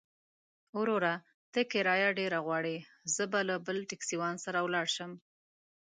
وروره! ته کرايه ډېره غواړې، زه به له بل ټکسيوان سره ولاړ شم.